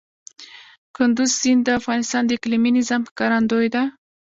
کندز سیند د افغانستان د اقلیمي نظام ښکارندوی ده.